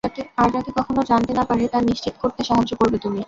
আর যাতে কখনো জানতে না পারে তা নিশ্চিত করতে সাহায্য করবে তুমি।